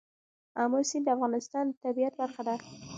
آمو سیند د افغانستان د طبیعت برخه ده.